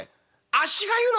「あっしが言うの？